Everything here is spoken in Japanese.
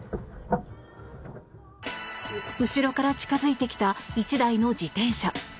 後ろから近付いてきた１台の自転車。